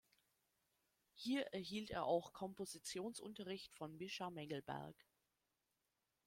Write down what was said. Hier erhielt er auch Kompositionsunterricht von Misha Mengelberg.